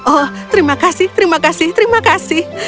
oh terima kasih terima kasih terima kasih